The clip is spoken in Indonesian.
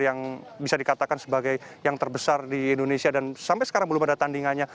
yang bisa dikatakan sebagai yang terbesar di indonesia dan sampai sekarang belum ada tandingannya